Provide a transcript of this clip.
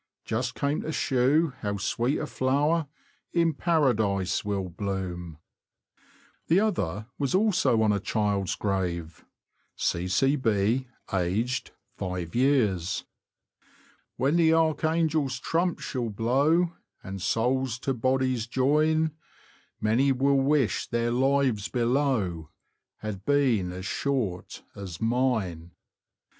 Just came to shew how sweet a flower In Paradise will bloom. UP THE ANT, TO BARTON AND STALHAM. 173 The other was also on a child's grave, " C.C.B., aged 5 yrs. :"— When the archangel's trump shall blow, And souls to bodies join, Many will wish their lives below Had been as short as mine.